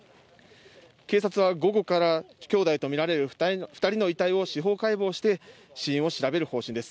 警察は午後から兄弟とみられる２人の遺体を司法解剖して死因を調べる方針です。